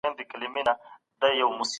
موږ هره ورځ عددونه کاروو.